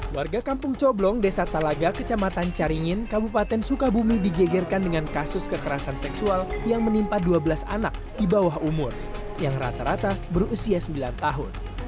warga kampung coblong desa talaga kecamatan caringin kabupaten sukabumi digegerkan dengan kasus kekerasan seksual yang menimpa dua belas anak di bawah umur yang rata rata berusia sembilan tahun